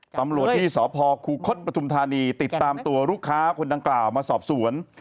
ตำรวจที่สพคูคศปฐุมธานีติดตามตัวลูกค้าคนดังกล่าวมาสอบสวน